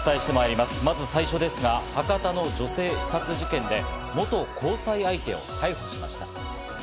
まず最初ですが、博多の女性刺殺事件で元交際相手を逮捕しました。